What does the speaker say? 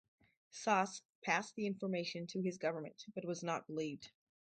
Sas passed the information to his government, but was not believed.